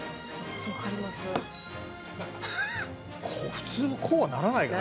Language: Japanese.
普通はこうはならないからね。